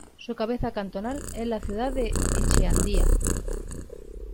Su cabecera cantonal es la ciudad de Echeandía.